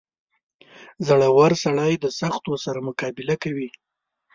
• زړور سړی د سختیو سره مقابله کوي.